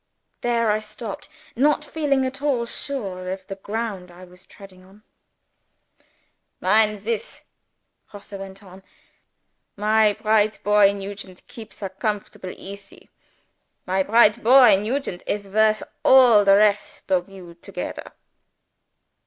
There I stopped, not feeling at all sure of the ground I was treading on. "Mind this!" Grosse went on. "My bright boy Nugent keeps her comfortable easy. My bright boy Nugent is worth all the rest of you togedder.